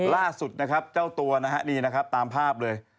ล่าสุดนะครับเจ้าตัวนะฮะนี่นะครับตามภาพเลย